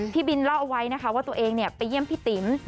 พี่บินเล่าเอาไว้นะคะว่าตัวเองไปเยี่ยมพี่ติ๋ม